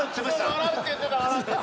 笑うって言ってた。